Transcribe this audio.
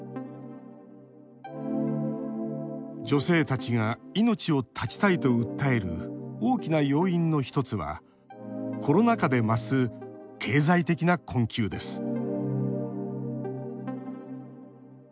女性たちが命を絶ちたいと訴える大きな要因の１つはコロナ禍で増す経済的な困窮です